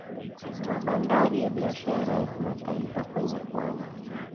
mabandari ya biashara ya kimataifa kwenye pwani